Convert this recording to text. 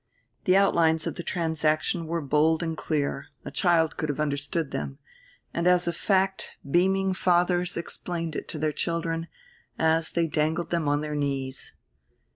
The outlines of the transaction were bold and clear; a child could have understood them and as a fact beaming fathers explained it to their children, as they dangled them on their knees.